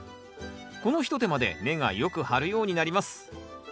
この一手間で根がよく張るようになります。